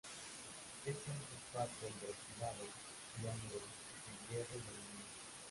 Es un fosfato hidroxilado y anhidro de hierro y aluminio.